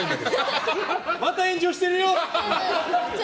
また炎上してるよ！